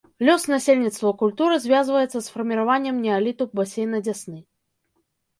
Лёс насельніцтва культуры звязваецца з фарміраваннем неаліту басейна дзясны.